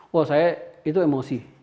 wah saya itu emosi